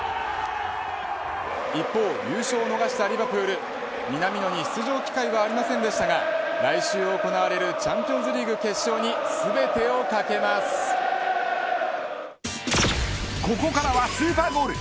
一方優勝を逃したリヴァプール南野に出場機会はありませんでしたが来週行われるチャンピオンズリーグ決勝にここからはスーパーゴール。